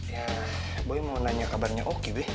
ya gue mau nanya kabarnya oke deh